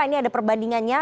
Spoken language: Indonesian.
ini ada perbandingannya